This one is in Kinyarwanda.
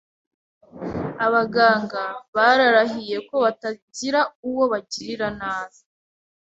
Abaganga bararahiye ko batagira uwo bagirira nabi.